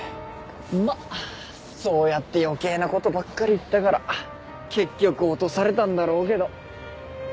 まあそうやって余計な事ばっかり言ったから結局落とされたんだろうけど。